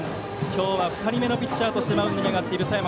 今日は２人目のピッチャーとしてマウンドに上がっている佐山。